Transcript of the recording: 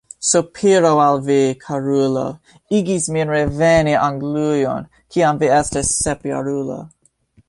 Sopiro al vi, karulo, igis min reveni Anglujon, kiam vi estis sepjarulo.